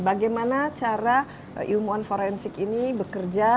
bagaimana cara ilmuwan forensik ini bekerja